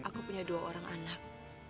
aku punya dua orang anak